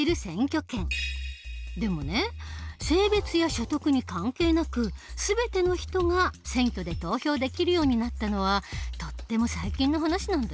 でもね性別や所得に関係なく全ての人が選挙で投票できるようになったのはとっても最近の話なんだよ。